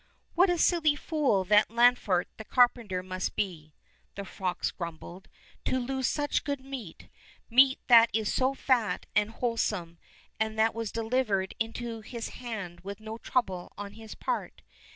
"What a silly fool that Lanfert the carpenter must be," the fox grumbled, "to lose such good meat — meat that is so fat and whole some, and that was delivered into his hand with no trouble on his part.